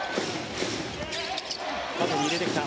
縦に入れてきた。